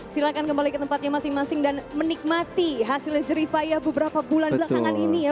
silahkan kembali ke tempatnya masing masing dan menikmati hasilnya jerifaya beberapa bulan belakangan ini ya